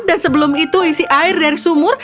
dan sebelum itu isi air dari sumur